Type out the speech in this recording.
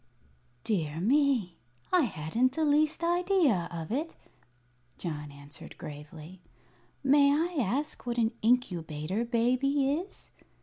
"Dear me, I hadn't the least idea of it," John answered gravely. "May I ask what an Incubator Baby is?"